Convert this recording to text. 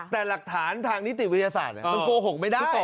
แต่หลักฐานทางนิติวิทยาศาสตร์มันโกหกไม่ได้